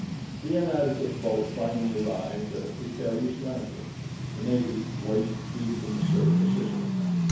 The inadequate boat finally arrived at a precarious landing, the natives, waist deep in the surf, assisting.